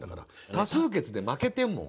多数決で負けてんもん。